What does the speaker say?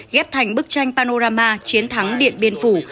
ghép thành bức tranh panorama chiến thắng điện biên phủ